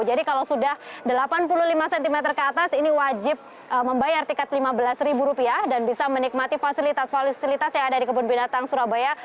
jadi kalau sudah delapan puluh lima cm ke atas ini wajib membayar tiket rp lima belas dan bisa menikmati fasilitas fasilitas yang ada di kebun binatang surabaya